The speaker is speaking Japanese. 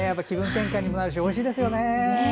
気分転換にもなるしおいしいですよね。